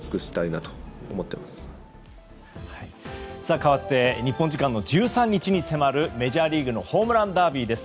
かわって日本時間の１３日に迫るメジャーリーグのホームランダービーです。